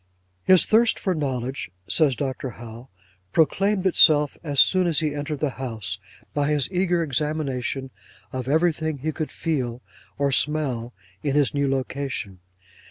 'His thirst for knowledge,' says Dr. Howe, 'proclaimed itself as soon as he entered the house, by his eager examination of everything he could feel or smell in his new location.